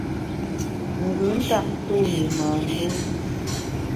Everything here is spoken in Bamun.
Ngùn ntap ntu’w i mâ ndû.